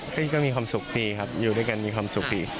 ก็มีความสุขดีครับอยู่ด้วยกันมีความสุขดี